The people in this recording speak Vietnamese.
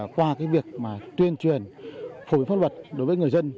qua việc tuyên truyền phổ biến pháp luật đối với người dân